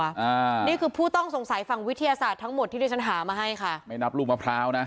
อ่านี่คือผู้ต้องสงสัยฝั่งวิทยาศาสตร์ทั้งหมดที่ที่ฉันหามาให้ค่ะไม่นับลูกมะพร้าวนะ